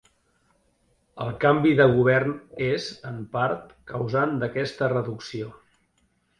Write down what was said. El canvi de govern és, en part, causant d'aquesta reducció.